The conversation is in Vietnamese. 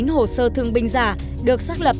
hồ sơ thương binh giả được xác lập